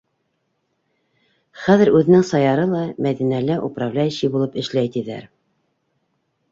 Хәҙер үҙенең Саяры ла Мәҙинәлә управляющий булып эшләй, тиҙәр.